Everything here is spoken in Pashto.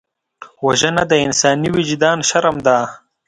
وژنه د انساني وجدان شرم ده